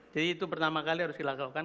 jadi itu pertama kali harus dilakukan